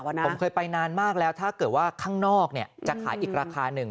ผมเคยไปนานมากแล้วถ้าเกิดว่าข้างนอกจะขายอีกราคาหนึ่ง